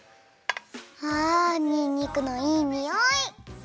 あにんにくのいいにおい！